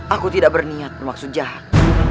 aku tidak berniat bermaksud jahat